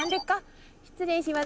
失礼します。